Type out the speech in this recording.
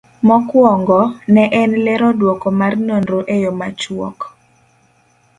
Mokwongo, ne en lero duoko mar nonro e yo machuok